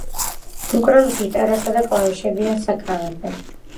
უკრავს გიტარასა და კლავიშებიან საკრავებზე.